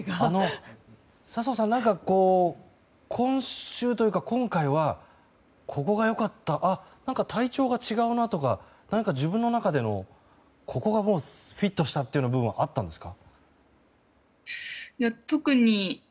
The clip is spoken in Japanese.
笹生さん、今週というか今回はここが良かった体調が違うなとか何か自分の中での、ここはもうフィットしたという部分は特に普段どおりでした。